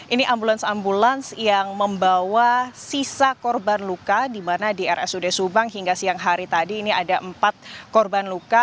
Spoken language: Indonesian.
ini ambulans ambulans yang membawa sisa korban luka di mana di rsud subang hingga siang hari tadi ini ada empat korban luka